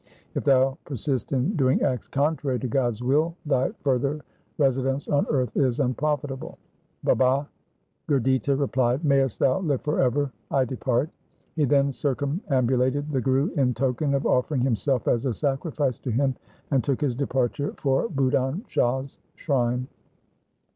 If thou persist in doing acts contrary to God's will thy further residence on earth is unprofitable.' Baba Gurditta replied, ' Mayest thou live for ever ! I depart.' He then circumambulated the Guru in token of offering him self as a sacrifice to him, and took his departure for Budhan Shah's shrine.